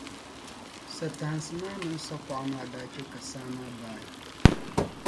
satahinsi maa mini sakuɣa maa daa chɛ, ka saa maa baai.